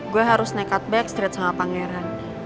gue harus nekat backstreet sama pangeran